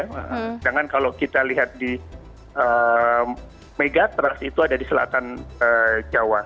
sedangkan kalau kita lihat di megatrust itu ada di selatan jawa